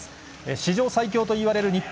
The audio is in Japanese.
史上最強といわれる日本。